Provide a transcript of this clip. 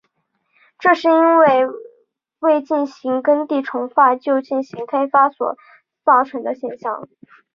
这是因为未进行耕地重划就进行开发所造成的现象。